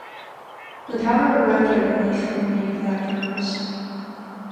The powder arrived at Greenwich from the manufacturers.